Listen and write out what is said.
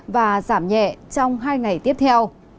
và giảm nhẹ trong hai ngày tiếp theo